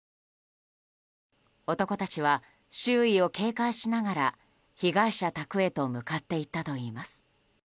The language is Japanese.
男たちは、周囲を警戒しながら被害者宅へと向かっていったといいます。